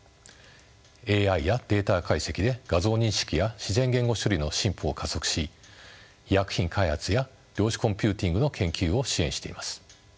ＡＩやデータ解析で画像認識や自然言語処理の進歩を加速し医薬品開発や量子コンピューティングの研究を支援しています。